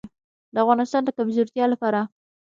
د افغانستان د کمزورتیا لپاره.